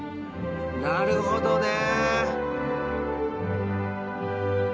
なるほどね！